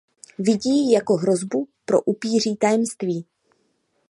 Vidí ji jako hrozbu pro upíří tajemství.